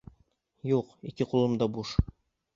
— Юҡ, ике ҡулым да буш.